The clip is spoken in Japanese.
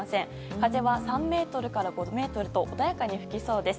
風は３メートルから５メートルと穏やかに吹きそうです。